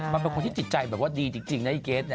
เขาเป็นคนที่ติดใจดีจริงนะพี่เกรท